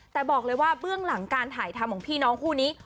แต่บอกเลยว่าเบื้องหลังการถ่ายทำของพี่น้องคู่นี้